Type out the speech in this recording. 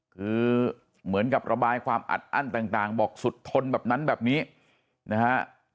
คือเหมือนกับระบายความอัดอั้นต่างบอกสุดทนแบบนั้นแบบนี้นะฮะ